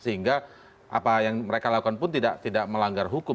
sehingga apa yang mereka lakukan pun tidak melanggar hukum